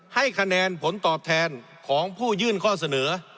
ให้คะแนนผลตอบแทนของผู้ยื่นข้อเสนอ